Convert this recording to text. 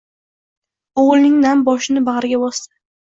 O‘g‘lining nam boshini bag‘riga bosdi.